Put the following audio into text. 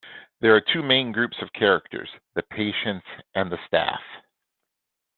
There are two main groups of characters, the patients and the staff.